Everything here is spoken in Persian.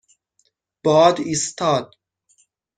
باد ایستاد.